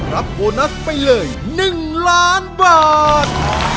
รับโบนัสไปเลย๑๐๐๐๐๐๐บาท